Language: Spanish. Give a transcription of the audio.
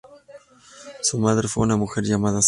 Su madre fue una mujer llamada Sarah.